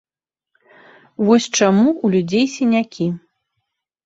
Вось чаму ў людзей сінякі!